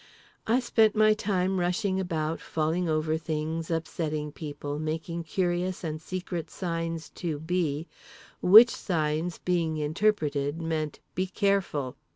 I spent my time rushing about, falling over things, upsetting people, making curious and secret signs to B., which signs, being interpreted, meant be careful!